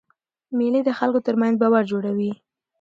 مېلې د خلکو ترمنځ باور جوړوي.